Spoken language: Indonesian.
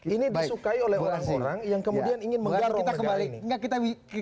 ini disukai oleh orang orang yang kemudian ingin menggarong negara ini